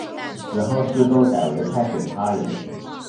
此后世宗改为派遣他人。